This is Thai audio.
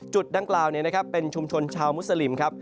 จุดดังกล่าวเป็นชุมชนชาวมุสลิม